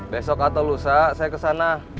besok atau lusa saya kesana